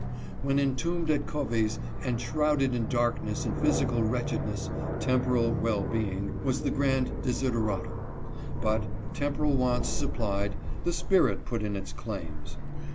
When entombed at Covey's and shrouded in darkness and physical wretched ness, temporal well being was the grand desideratum ; but, temporal wants supplied, the spirit put in its claims.